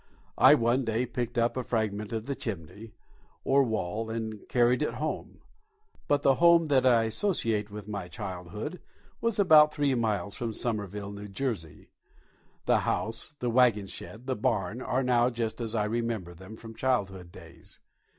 I one day picked up a fragment of the chimney, or wall, and carried it home. But the home that I associate with my childhood was about three miles from Somerville, N.J. The house, the waggon shed, the barn, are now just as I remember them from childhood days.